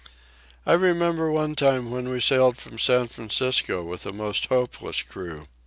"I remember one time when we sailed from San Francisco with a most hopeless crew.